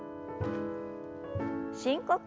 深呼吸。